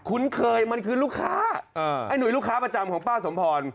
คุ้นเคยมันคือลูกค้าไอ้หนุ่ยลูกค้าประจำของป้าสมพร